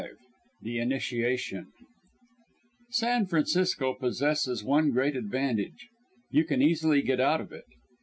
CHAPTER V THE INITIATION San Francisco possesses one great advantage you can easily get out of it.